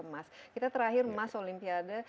mas kita terakhir mas olimpiade